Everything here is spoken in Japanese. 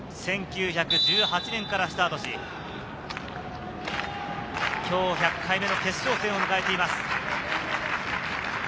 １９１８年からスタートし、今日１００回目の決勝戦を迎えています。